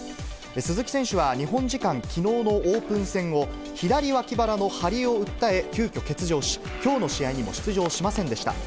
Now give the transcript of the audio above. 鈴木選手は日本時間きのうのオープン戦を、左脇腹の張りを訴え、急きょ、欠場し、きょうの試合にも出場しませんでした。